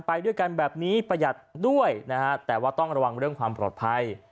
ไปด้วยกันแบบนี้ประหยัดด้วยนะฮะแต่ว่าต้องระวังเรื่องความปลอดภัย